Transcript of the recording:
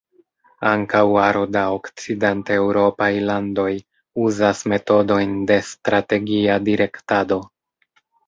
Ankaŭ aro da okcidenteŭropaj landoj uzas metodojn de strategia direktado.